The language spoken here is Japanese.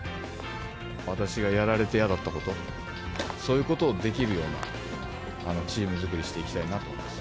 私がやられて嫌だったこと、そういうことをできるような、チーム作りしていきたいなと思います。